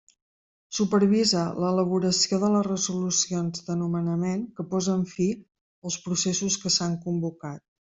Supervisa l'elaboració de les resolucions de nomenament que posen fi als processos que s'han convocat.